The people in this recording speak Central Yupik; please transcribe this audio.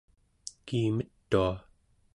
kiimetua